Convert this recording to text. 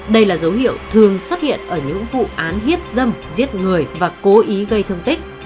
đây là dấu hiệu thường xuất hiện ở những vụ án hiếp dâm giết người và cố ý gây thương tích